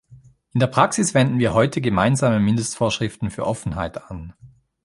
In der Praxis wenden wir heute gemeinsame Mindestvorschriften für Offenheit an.